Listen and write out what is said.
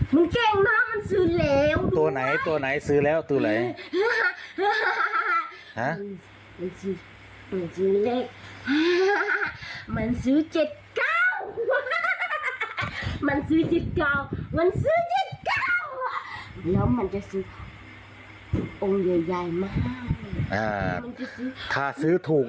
มันเก่งมากมันซื้อแล้ว